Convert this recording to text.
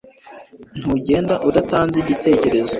Ntugende udatanze igitekerezo